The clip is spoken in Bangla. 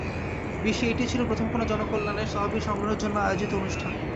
বিশ্বে এটিই ছিল প্রথম কোনো জনকল্যাণের তহবিল সংগ্রহের জন্য আয়োজিত অনুষ্ঠান।